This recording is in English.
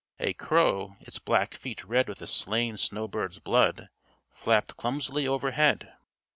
A crow, its black feet red with a slain snowbird's blood, flapped clumsily overhead.